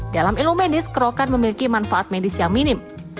dalam ilmu medis kerokan memiliki manfaat medis yang minim